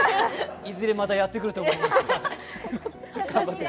いずれまたやってくると思います。